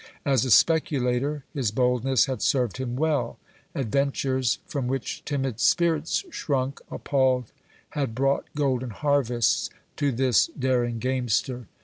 As a speculator, his boldness had served him well. Adventures from which timid spirits shrunk appalled had brought golden harvests to this daring gamester.